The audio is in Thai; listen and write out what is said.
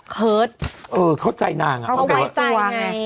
เออเข้าใจนางอ่ะเขาไว้ตัวไง